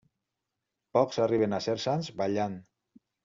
Pocs arriben a ser sants, ballant.